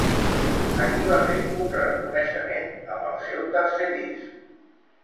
A qui va fer un reconeixement amb el seu tercer disc?